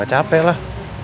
gak capek lah